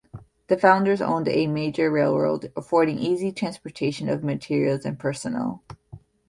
The founders owned a major railroad, affording easy transportation of materials and personnel.